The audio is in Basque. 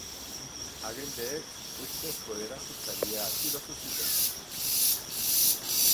Agenteek ustezko erasotzailea atxilotu zuten.